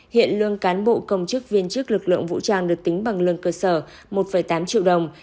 hiện lương cán bộ công chức viên chức lực lượng vũ trang được tính bằng lương cơ sở một tám triệu đồng